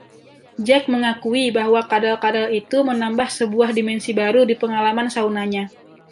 Jack mengakui bahwa kadal-kadal itu menambah sebuah dimensi baru di pengalaman saunanya.